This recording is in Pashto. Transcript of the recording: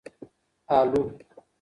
الو 🦉